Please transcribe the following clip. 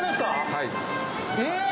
はい。